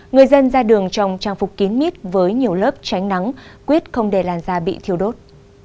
người dân ra đường trong trang phục kín mít với nhiều lớp tránh nắng quyết không để làn da bị thiêu đốt